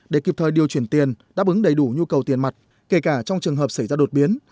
để kịp thời điều chuyển tiền đáp ứng đầy đủ nhu cầu tiền mặt kể cả trong trường hợp xảy ra đột biến